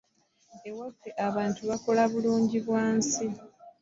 Ewaffe abantu bakola bulungi bwa nsi.